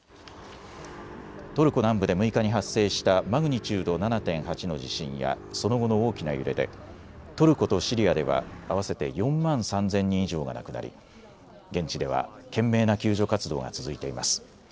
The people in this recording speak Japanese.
トルコ南部で６日に発生したマグニチュード７．８の地震やその後の大きな揺れでトルコとシリアでは合わせて４万３０００人以上が亡くなり現地では懸命な救助活動が続いています。